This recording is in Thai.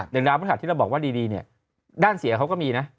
ดาวพฤหัสที่เราบอกว่าดีเนี่ยด้านเสียเขาก็มีนะ